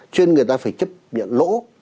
cho nên người ta phải chấp nhận lỗ